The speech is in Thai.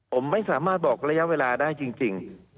ผมไม่สามารถบอกระยะเวลาได้จริง